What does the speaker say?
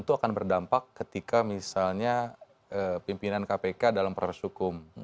itu akan berdampak ketika misalnya pimpinan kpk dalam proses hukum